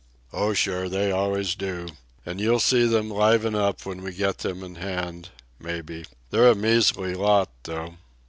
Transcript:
"Oh, sure. They always do. And you'll see them liven up when we get 'em in hand ... maybe. They're a measly lot, though."